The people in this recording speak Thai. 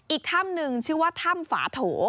อีกถ้ำหนึ่งชื่อว่าถ้ำฝาโถ